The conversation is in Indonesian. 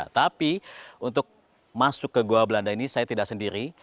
tapi untuk masuk ke goa belanda ini saya tidak sendiri